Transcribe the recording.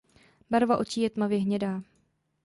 Barva očí je tmavě hnědá.